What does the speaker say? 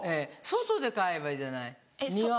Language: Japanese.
外で飼えばいいじゃない庭。